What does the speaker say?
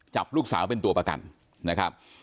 จับลูกสาวเป็นตัวประกันนะครับ